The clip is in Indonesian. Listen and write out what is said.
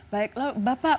baik lalu bapak